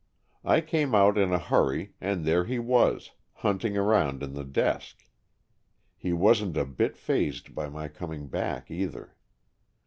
I came out in a hurry, and there he was, hunting around in the desk. He wasn't a bit fazed by my coming back, either.